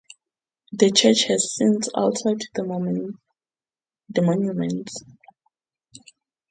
The Church has since altered the monument.